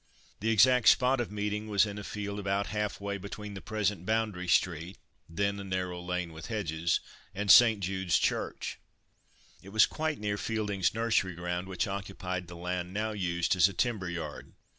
The exact spot of meeting was in a field about half way between the present Boundary street (then a narrow lane with hedges) and St. Jude's Church. It was near Fielding's nursery ground, which occupied the land now used as a timber yard.